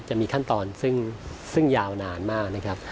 จะมีขั้นตอนซึ่งยาวนานมากนะครับ